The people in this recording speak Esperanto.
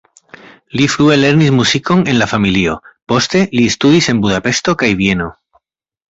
Li frue lernis muzikon en la familio, poste li studis en Budapeŝto kaj Vieno.